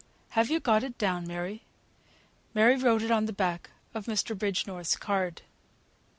Have you got it down, Mary?" Mary wrote it on the back of Mr. Bridgenorth's card.